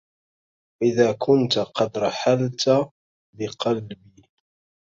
وإذا كنت قد رحلت بقلبي